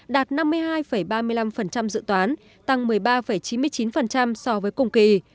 đạt năm mươi hai ba mươi năm dự toán tăng một mươi ba chín mươi chín so với cùng kỳ